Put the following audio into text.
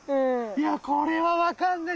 いやこれは分かんない。